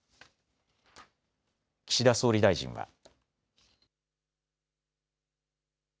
岸田総理大臣は。